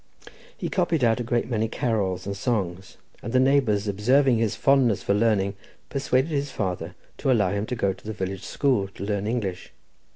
He copied out a great many carols and songs, and the neighbours, observing his fondness for learning, persuaded his father to allow him to go to the village school to learn English.